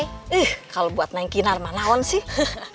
ih kalau buat neng kinar manaon sih